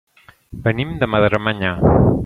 Venim de Madremanya.